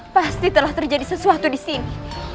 pasti telah terjadi sesuatu disini